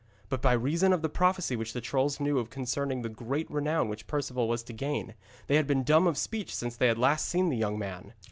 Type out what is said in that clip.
But by reason of the prophecy which the trolls knew of concerning the great renown which Perceval was to gain, they had been dumb of speech since they had last seen the young man.